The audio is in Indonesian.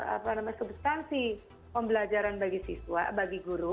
apa namanya substansi pembelajaran bagi guru untuk disampaikan ke guru